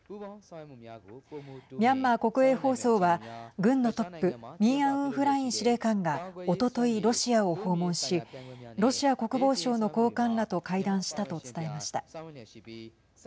ミャンマー国営放送は軍のトップミン・アウン・フライン司令官がおととい、ロシアを訪問しロシア国防省の高官らと会談したと伝えました。